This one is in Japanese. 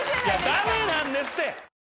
ダメなんですって！